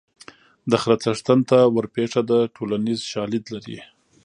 د خره څښتن ته ورپېښه ده ټولنیز شالید لري